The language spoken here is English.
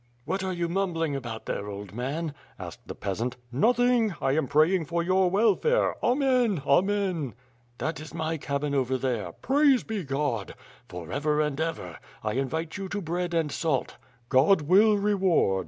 "What are you mumbling about there, old man?" asked the peasant. "Nothing. I am praying for your welfare. Amen, Amen." "That is my cabin over there." "Praise be God!" "For ever and ever! I invite you to bread and salt." "God will reward."